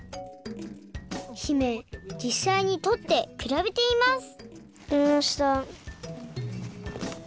姫じっさいにとってくらべてみますとれました。